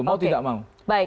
mau tidak mau